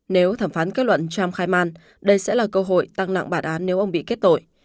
nếu thẩm phán kết luận trump khai man đây sẽ là cơ hội tăng nặng bản án nếu ông bị kết tội